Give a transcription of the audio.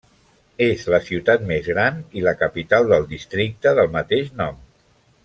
És la ciutat més gran i la capital del districte del mateix nom.